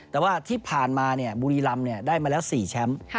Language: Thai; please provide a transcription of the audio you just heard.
แต่ว่าที่ผ่านมาเนี่ยบุรีลำเนี่ยได้มาแล้ว๔แชมป์